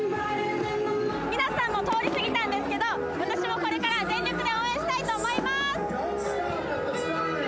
皆さんもう通り過ぎたんですけど私もこれから全力で応援したいと思います